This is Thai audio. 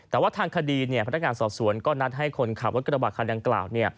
แต่ว่าทางคดีพนักงานสอบสวนก็นัดให้คนขับรถกระบะคันดังกล่าว